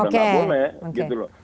saya tidak boleh